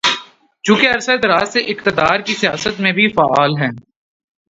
چونکہ عرصۂ دراز سے اقتدار کی سیاست میں بھی فعال ہیں۔